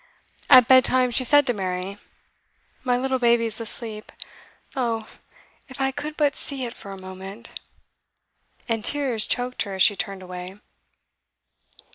At bedtime she said to Mary, 'My little baby is asleep; oh, if I could but see it for a moment!' And tears choked her as she turned away.